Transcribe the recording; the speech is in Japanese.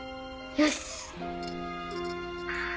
よし。